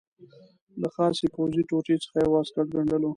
له خاصې پوځي ټوټې څخه یې واسکټ ګنډلو.